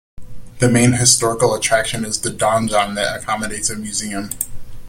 The main historical attraction is the donjon that accommodates a museum.